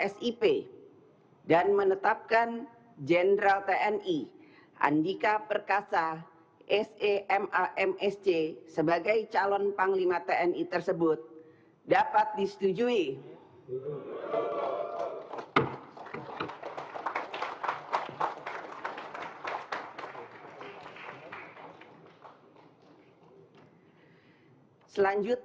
jman mpp b position ada w kl egyur